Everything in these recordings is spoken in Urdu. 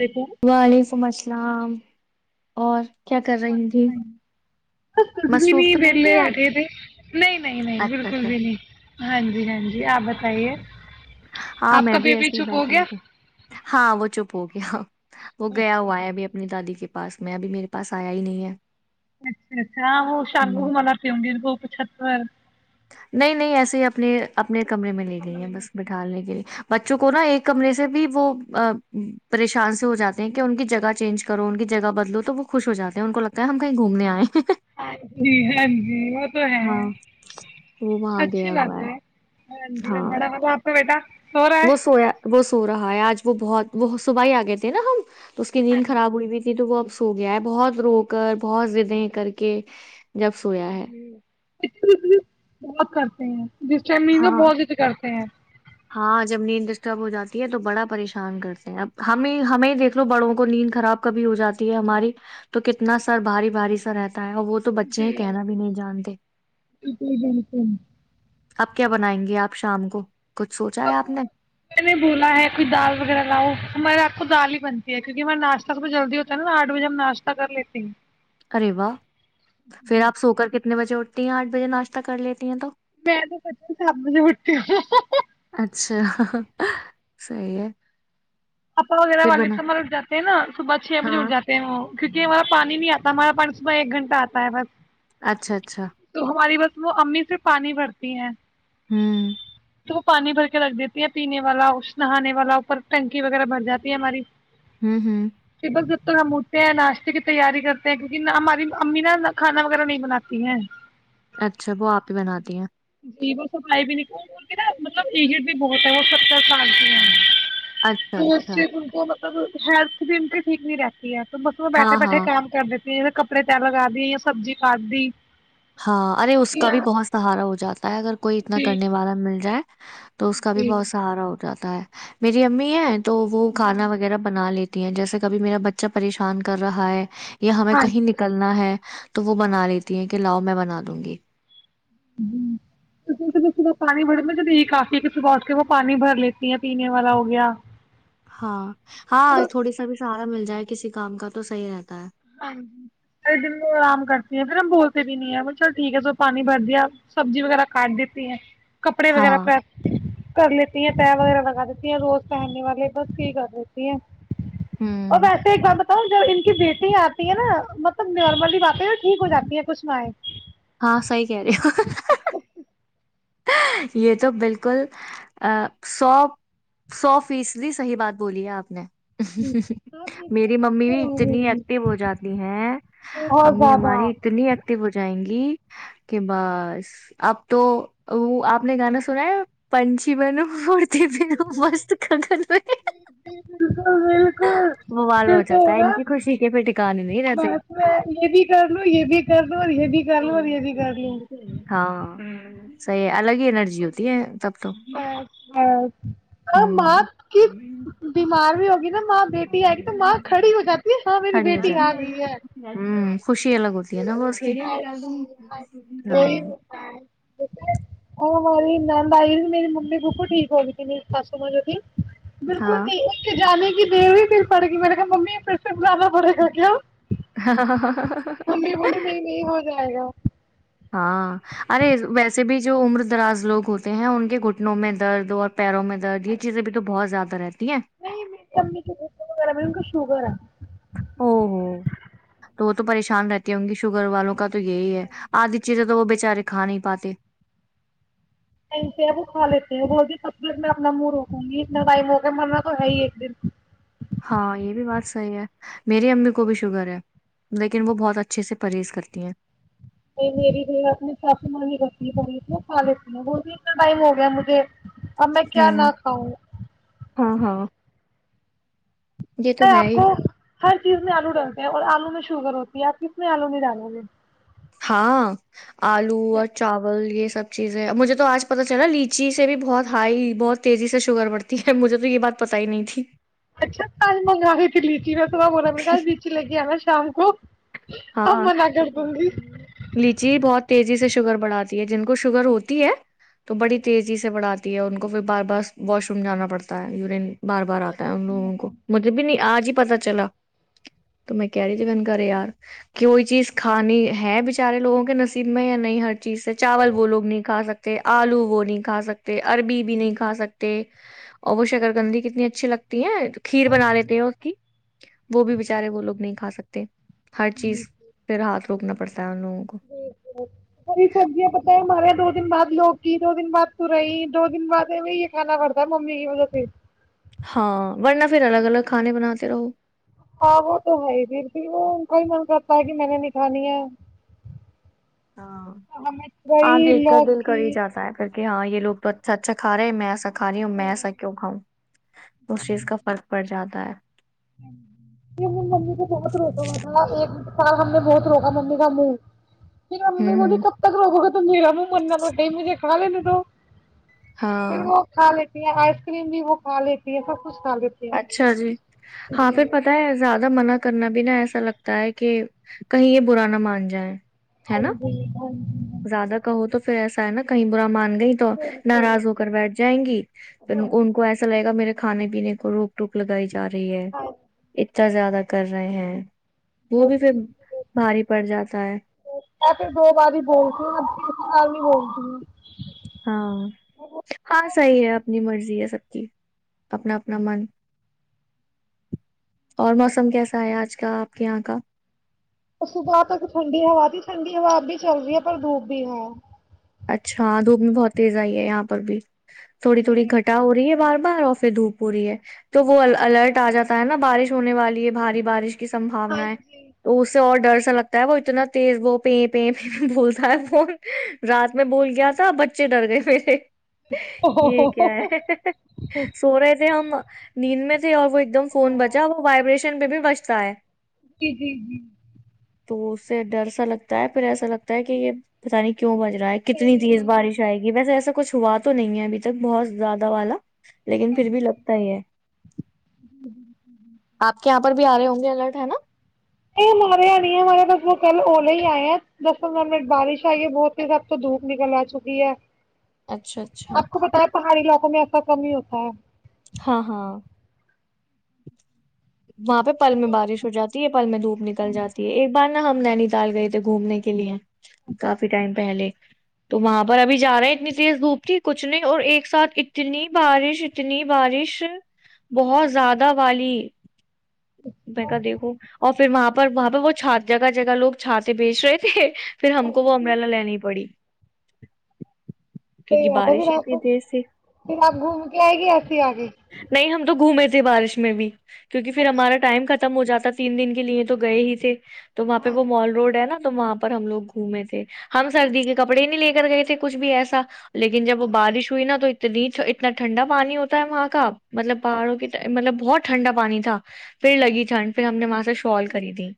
دیکھو وعلیکم السلام اور کیا کر رہی تھی [inaudible] مصروف تو نہیں تھی آپ اچھا اچھا ہاں جی ہاں جی آپ بتائیے ہاں آپ میں کا بھی بیبی ایسے ہی چپ ہو بیٹھے گیا ہوھے ہاں وہ چپ ہوگی [inaudible] وہ گیا اچھا ہوا ہےیا ا بھی اپنی دادی کے پاس میں ابھی میرے پس آیا ہی نہیں ہے اچھا اچھا ہاں وہ شاگ گ ہ ما پن گی گوپ چھتر نہیں نہیں ایسے ہی اپنے اپ اپنے کمرے میں لے گئی ہیں کمرے میں بس بیٹھالنے کے لیے بچوں کو نا ایک کمرے سے بھی وہ پریشان سے ہو جاتے ہیں کہ ان کی جگہ چینج کرو ان کی جگہ بدلو تو وہ خوش ہو جاتے ہیں ان کو لگتا ہے ہم کہیں گھومنے آئے جی ہاں جی تو ہے ہاں وہ وہاں گیا ہوا ہے ہ ہاں بڑا با اپ کا بیٹا سو رہا وہ ہے سویا وہ سو رہا ہے آج وہ بہت وہ صبح ہی آ گئے تھے نا ہم تو اس کی نیند خراب ہوئی ہوئی تھی تو وہ اب ہو گیا ہے بہت رو کر بہت زدیں کر کے جب سویا ہے بہت کرتے ہیں جس ٹائم نینو ہاں بہت ضد کرتے ہیں ہاں جب نیند ڈسٹرب ہو جاتی ہے تو بڑا پریشان کرتے ہیں اب ہمیں ہمیں دیکھ لو بڑوں کو نیند خراب کبھی ہو جاتی ہے ہماری تو کتنا سر بھاری بھاری سر رہتا اور وہ تو بچے جی کہنا بھی نہیں جانتے بالکل بالکل آپ کیا بنائیں گے آپ شام کو کچھ سوچا ہے آپ بو نے میں نے بولا ہے کوئی دال وغیرہ لاؤ ہمارا دال ہی بنتی ہے کیونکہ ہمیں ناشتہ سب جلدی ہوتا ہے نا آٹ بجے ہم ناشت کر لیتے ہیں ارے واہ پھر آپ سو کر کے کتنے بجے اٹھتی ہیں آٹھ بجےاشہ کر لیتی ہیں تو میں تو شام کو پانچ بجے اٹھتی ہوں صی ہے اپپا وغیرا پھر والد بنا سبر اٹھاتے ہیں نا صبح چھے بجے اٹھ ہاں جات ہیں وہ کیونکہ ہمارا پانی نہیں آتا ہمارا پانی صبح ایک گھنٹہ آتا ہے بس اچھا اچھا تو ہماری بس وہ امی سے پانی بھرتی ہیں ہوں تو وہ پانی بھر کے رکھ دیتی ہے پینے والا نہانے والا اوپر ٹنکی وغیرہ بھر جاتی ہے ہماری ہوں ہوں ج تک ہم اٹھتے ہیں ناشتے کی تیاری کرتے ہیں کیونک ہماری امی نا کھانا وغیرہ نہیں بناتی ہیں اچھا وہ آپ ہی بناتی ہیں ج سفائی بھی نک نا مطلب ایٹ بھی بہت ہے وہ ستر سال کی ہے اچھا تو اس اچھا سے ان کو تو ہیلت بھی ان کی ٹھیک نہیں رہتی ہے تو اس میں بیٹھے ہاں بیٹھے ہاں کام کر دیتے پ کپڑے تیر لگا دی یا سبزی کھاد دیی ہاں ارے اس کا بھی بہت سہارا ہو جاتا ت اگر کوئی اتنا جی کرنے والا مل جائے تو اس کا بھی بہت سہارا ہوتا جا ہے میری امی ہیں تو وہ کھانا وغیرہ بنا لیتے ہیں جیسے کبھی میرا بچہ پریشان کر رہا ہے ہمیں کہیں نکلنا ہے تو وہ بنا لیتی ہیں کےلاؤ میں بنا دوں گی ج صح پانی بھر کافی ک صب اٹھ کے وہ پانی بھر لیتی ہیں پینے والا ہو گیا ہاں ہاں تھوڑی سا بھی س مل جائے کسی کام کا تو صح رہتا ہے ہاں ج سے دن آرام کرتی ہیں پھر ہم بولتے بھی نہیں ہے چل ٹھیک ہے س پانی بھر دیا سبزی وغیرہ کاٹ دیتی ہے کپڑے ہاں وغیرہ پراپ کر لیتی ہیں تے وغیرہ لگا دیتی ہیں روز پہننے والے بس یہ کر لیتی ہیں اور ہوں ویسے ایک کم تو جب ان کی بیٹی آتی ہے نا مطلب نارملی باتیں ٹھیک ہو جاتی کچھ مائیں ہاں سی کہہ رہے ہو یہ تو بالکل ا سو سو فیصدی صحیح بات بولی ہے آپ نے میری ممی بھی اتنی ایکٹو ہو جاتی ہیں بہت امی زیادہ ہماری اتنی ایک ہو جائیں گی کہ بس اب تو وہ آپ نے گانا سنا ہے پنچی بن م ک کر بالکل بالکل موالا پھر ہو تو جاتا ہے ہوگا ان کی خوشی کے پہ ٹکانے نہیں رہتے بس میں یہ بھی کر لوں یہ بھی کر لوں اور یہ بھی کر لوں اور یہ بھی کر لوں ہاں س اور ہ ماں کی بیمار بھی ہو جا [inaudible] [inaudible] ماں بیٹی ہے ایک توم ماں کھڑی ہو جاتی ہے ہاں میری ساڑھے بیٹی آ گئی ہے ہزار ہوں خوشی لگی ہاں مولی نند ائی میری ممی پھپی ٹھیک ہو گئی میری ساسو ماں جو تھی بالکل ہاں نہیں اس کے جانے [inaudible] [inaudible] یہ ہو جائے گا ہاں ارے ویسے بھی جو عمر دراز لوگ ہوتے ہیں ان کے گھٹنوں میں درد اور پیروں میں درد یہ چیزیں بھی تو بہت زیادہ ترقی نہیں مری امی وغیرہ میں شگرا او ہو تو وہ تو پریشان رہتی ہ گی شوگر والوں کا تو یہی ہے آدھی چیزیں تو وہ بچارے کھا نہیں پاتے وہ کھا لیتے ہیں بول بھی تبت میں اپنا منہ روکوں گی اتنا ٹائم ہوگیا مرنا تو ہے ہی ایک دن ہاں یہ بھی بات صحی ہے میری امی کو بھی شگر ہے لیکن وہ بہت اچھے سے پرہیز کرتی ہیں نہیں میری بھی اپنی چاسی مانی کرتی کا لیتی ہیں وہ بھی اتنا ٹائم ہو گیا مجھے اب میں کیا ہوں نہ کھاؤں ہاں ہاں یہ تو ہے آپ ہی کو ہر چیز میں آلو ڈلتے ہیں اور آلو میں شگر ہوتی ہے آپ کتنے آلونی ڈالوے ہاں آلو اور چاول یہ سب چیز ہے مجھے تو آج پتتا چلا لیچی سے بھی بہت ہائی بہت تیزی سے شوگر بڑتی ہے مجھے تو یہ بات پتا ہی نہیں تھی اچھا تج منگو کلی ش صبح بولا نے کہ بییچے لگی ہے نا شام کو اب ہاں منع کر دوں گی لیچی بہت تیزی سے سے شوگر بڑھاتی ہے جن کو شوگر ہوتی ہے تو بڑی تیزی سے بڑھا دی ہے ان کو پھر بار بار واش روم جانا پڑتا ہے یورین بار بار آتا ہے ان لوگوں کو مطلب بھی نہیں آج ہی پتا چلا تو میں کہہ رہی دکن گار یار کہ کوئی چیز کھانی ہے بچارے لوگوں کے نصیب میں یا نہیں ہر چیز سے چاول وہ لوگ نہیں کھا سکتے آلو وہ نہیں کھا سکتے عربی بھی نہیں کھا سکتے اور وہ شکرکندی کتنی اچھی لگتی ہے کھیر بنا لیتے ہو اس کی وہ بھی بیچارے وہ لوگ نہیں کھا سکتے ہر چیز پ رہا تھا روکنا پڑتا ہے ان لوگوں کو جال سری سبزیاں پت ہے ہمارے دو دن بعد لوگ کی دو دن بعد تو رہی دو دن بعد یہ کھانا پڑتا ممی کی وجہ سے ہاں ورنہ پھر الگ الگ کھانے بناتے رہو ہاں وہ تو ہے ہی پھر پ وہ ان کا ہی من کرتا ہے کہ میں نے ن کھانی ہے ہاں ہمیں ہاں تورئی دیکھ کر دل کر لوکی ہی جاتا ہے پھر کہ ہاں یہ لو تو اچھا اچھا کا رہے ہیں میں س کا رہی ہوں میں سا کیوں کاؤں اس چیز کا فرق پڑ جاتا ہوتا ہے یہ م ممی تو بہت روز ہوا تھا سال ہم نے بہت روکا ممی کا منہ مری ممی ہوں بولی ہوں کب تک روے تو میرا مننا پڑ گے مجھے کال ن تو پھر ہاں وہ کھا لیتے آئس کریم بھی وہ کھا لیتی ہے سب کچھ کر دی تھ ہےی اچھا جی ہاں پھر پتا ہے زیادہ زدہ منع کرنا بھی نا ایسا لگتا ہے کہ کہیں یہ برا نہ مان جائے ہے نا زیادہ کہو تو پھر ایسا ہےا کہیں برا مان نہیں تو ناراض ہو کر بیٹھ جائیں گی پ ان کو ایسا لگے گا میرے کھانے پینے روک روک لگائی ج جا رہی ہے اچا زیادہ کر رہے ہیں وہ بھی پھر بھاری پڑ جاتا ہے میں پھر دو بار بولتی کسی نہیں بول اور ہاں ہاں صحیح ہے اپنی مرضی ہے سب کی اپنا اپنا من اور موسم کیسا ہے آج کا آپ کے یہاں کا اور صبح تک ٹنڈی ہوا تھی ٹھڈی ہا بھی چل رہی ہے پر دوپ بھی ہے اچھا دھوپ میں بہت تیز آئی ہے یہاں پر بھی تھوڑی تھوڑی گھٹا ہو رہی ہے بار بار آفے دھوپ ہو رہی ہے تو وہ الرٹ آ جاتا ہے نا بارش ہونے والی ہے بھاری بارش کی سمباونا ہے تو اس سے اور ڈر سا لگتا ہے وہ اتنا تیز وہ پ پ پ بھولتا ہے فون رات میں بول گیا تھا بچے ڈر گئے میرے یہ کیا ہے ہے سوورے سے ہم ہم نینم [inaudible] اور وہ ایک دم فون بچا وہ وائبریشن میں بھی بچتا ہے جی جی جی تو اس سے ڈر سا لگتا ہے پھر ایسا لگتا ہے کہ یہ پتا نہیں وں بج رہا ہے کتنی تیز بارش آئے گی وس ایسا کچھ ہوا تو نہیں ہے ابھی تک بہت زیادہ والا لیکن پھر بھی لگتا ہی ہے آپ کے یہاں پر بھی آ رہے ہوں گے الرٹ ہے نا یہ ماریا نہیں ہے مارا دسو کل اور ہی آئے ہیں دس پندرہ منٹ بارش آئی ہے بہت ہی سب تو دھوپ نکل آ چکی ہے اچھا اچھا پڑ لوقوں میں ایسا کمی ہی ہوتا ہے ہاں ہاں وہاں پہ پل میں بارش ہو جاتی ہے پل میں دھوپ نکل جاتی ہے ایک بار نا ہم نینی تال گئے تھے گھومنے کے لیے کافی ٹائم پہل تو وہاں پر ابھی جا رہے ہیں اتنی تیز دھوپ تھی کچھ نہیں اور ایک ساتھ اتنی بارش اتنی بارش بہت زیادہ قدوالی میں کہا دیکھوں اور پھر وہاں پر وہاں پہ وہ چھ جگہ جگہ لوگ چھات بیچ رہے تھے پھر ہم کو وہ امرالا لین پڑی [inaudible] صحیح کیونکہ بات ہے پھر بارش ہی آپ اتنی کو تیز تھی پھر آپ گھوم کے آئے گی ایسے ہی آگے نہیں ہم تو گھومے تھے بارش میں بھی کیونکہ پھر ہمارا ختم ہو جاتا تین دن کے لیے تو گئے ہی تھے تو وہاں پہ وہ مال روڈ ہے نا تو وہاں پہ ہم لوگ گھومے تھے ہم سردی کے کپڑے ہی نہیں لے کر گئے تھے کچھ بھی ایسا لیکن جب بارش ہوئی نا تو تو نیچ اتنا ٹھنڈا پانی ہوتا ہے وہاں کا مطلب باڑوں کی مطلب بہت ٹھنڈا پانی تھا پھر لگی ٹھنڈ پھر ہم نے وہاں سے شال خریدی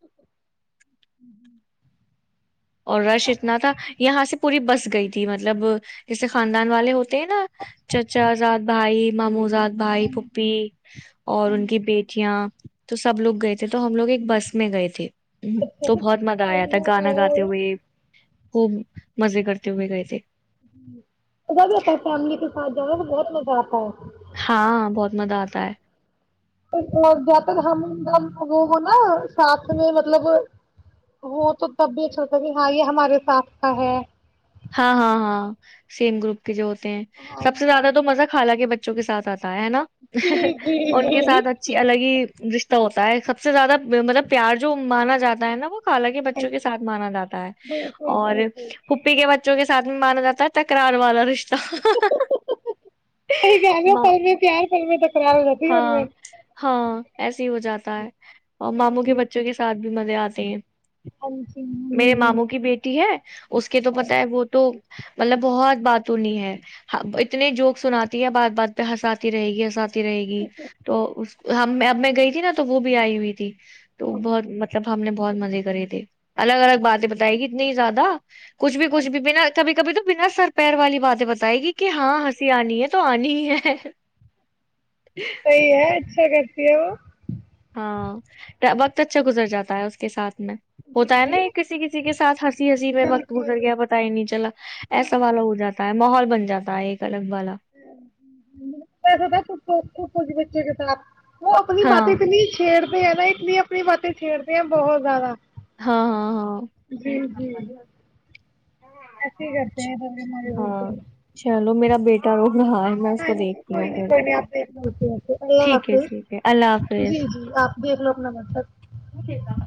اور رش اتنا تھا یہاں سے پوری بس گئی تھی مطلب جسے خاندان والے ہوتے نا چچا زاد بھائی ماموںزاد بھائی پھپھی اور ان کی بیٹیاں تو سب لوگ گئے تھے تو ہم لوگ ایک بس میں گئے تھے تو بہت مزہ آیا تھا گانا گاتا خوب مزے کرتے ہوئے گئے تھ اا بھی اپ فمے تو ہاں جانا میں بہت مزہ آتا ہے سار جہ تک ہم ایک دم وہ ہو نا ساتھ میں مطلب ہو تو تب بھی اچھا ہوتا کہ ہاں یہ ہمارے ساتھ کا ہے ہاں ہاں ہاں سیم گروپ جو ہوتے ہیں سب سے زیادہ تو مزہ کالا کے بچے چ کےاتھ آتے ہے نا ان کے ساتھ اچھی الگ ہی رشتہ ہوتا ہے سب سے زیادہ مطلب پیار جو مانا جاتا ہے نا وہ الالگ کے بچوں کے ساتھ مانا جاتا ہے اور وں کے سھ میں مانا جا ہے تکرار والا رشہ ا کہہ رہ ہو ماں پروے تیار کروے تک ہاں ہاں ایسے ہی ہو جاتا ہے اور ماموں کے بچوں کے ساتھ بھی مزے آتے ہیں میرے ماموں کی بیٹی ہے اس کے تو پت ہے وہ تو مطلب بہت باتنی ہے اتنے جوک سناتی ہے بات بات پہ ہنساتی رہے گی ہنساتی رہے گی تو اس ہم اب میں گئی تھی نا تو وہ بھی آئی ہوئی تھی تو بہت مطلب ہم نے بہت مزے کرے تھے الگ الگ باتیں بتائی گی اتنی زیادہ کچھ بھی کچھ بھی بنا کبھی کبھی تو بنا سر پیر والی باتیں بتائے گی کہ ہاں ہنسی آنی ہے تو آنی ہے صحیح ہے اچھا کر کیا ہو ہاں وقت اچھا گزر جاتا ہے اس کے ساتھ میں ہوتا ہے نا یہ کسی کسی کے ساتھ ہنسی ہنسی میں وقت گزر گیا پتا ہی نہیں چلا ایسا والا ہو جاتا ہے ماحول بنات جاتا ہے الگ والا بچوں کے ساتھ وہ اپنی ہاں باتت نہیں چڑ نا ایک نہیںنی اپنی ماتے چھیرتے ہیں بہت زیادہ ہاں ہاں ہاں جی جی ایسے ہی کرتے ہیں ہاں ہمے چلو میرا بیٹا رو رہا ہے میں اس ہاں کو جی دیکھتی کوئی ہوں نہیں پھر کوئی نہیں آپ دیکھ لو آئی آپ ٹھیک ہے ٹھیک ہے اللہ جی جی آپ دیکھ لو بر [inaudible] وہ چتا ہ